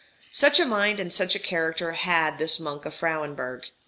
Such a mind and such a character had this monk of Frauenburg.